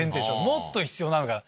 もっと必要なのかな。